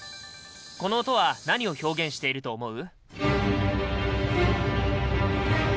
この音は何を表現していると思う？